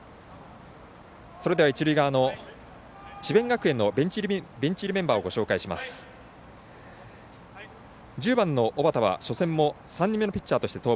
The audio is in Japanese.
それでは一塁側の智弁学園のベンチ入りメンバーです。